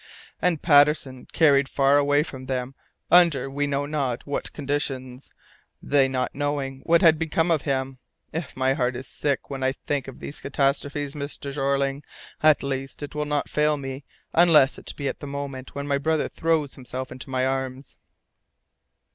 And Patterson carried far away from them, under we know not what conditions, they not knowing what had become of him! If my heart is sick when I think of these catastrophes, Mr. Jeorling, at least it will not fail me unless it be at the moment when my brother throws himself into my arms."